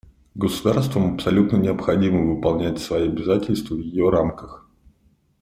Государствам абсолютно необходимо выполнять свои обязательства в ее рамках.